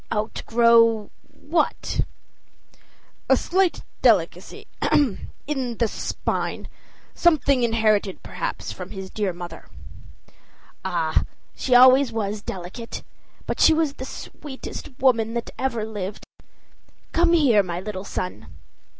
"Outgrow what?" "A slight delicacy ahem! in the spine; something inherited, perhaps, from his dear mother." "Ah, she was always delicate; but she was the sweetest woman that ever lived. Come here, my little son."